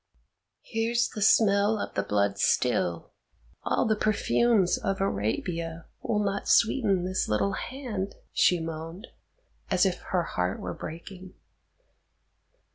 "Here's the smell of the blood still; all the perfumes of Arabia will not sweeten this little hand," she moaned, as if her heart were breaking.